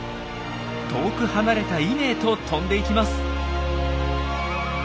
遠く離れた稲へととんでいきます。